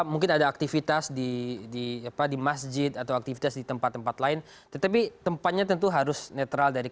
mungkin ada aktivitas di masjid atau aktivitas di tempat tempat lain tetapi tempatnya tentu harus netral dari kepentingan masyarakat